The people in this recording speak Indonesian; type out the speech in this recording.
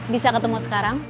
bisa ketemu sekarang